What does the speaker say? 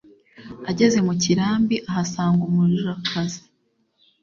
ageze mukirambi ahasanga umujakazi